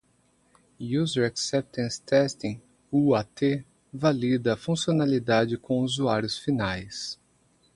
User Acceptance Testing (UAT) valida a funcionalidade com usuários finais.